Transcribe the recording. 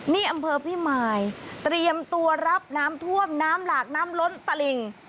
นี่อำเภอพิมายเตรียมตัวรับน้ำท่วมน้ำหลากน้ำล้นตะหลิ่ง